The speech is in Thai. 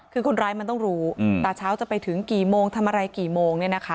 คือคนร้ายมันต้องรู้แต่เช้าจะไปถึงกี่โมงทำอะไรกี่โมง